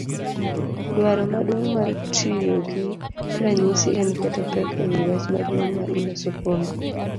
Dwaro maduong' mar tiyogi ranyisi en keto pek ewi wach maduong' ma iloso kuome.